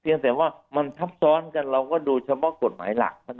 เพียงแต่ว่ามันทับซ้อนกันเราก็ดูเฉพาะกฎหมายหลักเท่านั้น